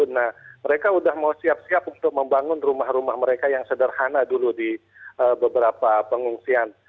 nah mereka sudah mau siap siap untuk membangun rumah rumah mereka yang sederhana dulu di beberapa pengungsian